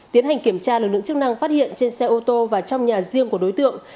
tiến hành kiểm tra lực lượng chức năng phát hiện trên xe ô tô và trong nhà riêng của đối tượng